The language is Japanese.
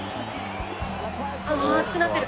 あー、熱くなってる。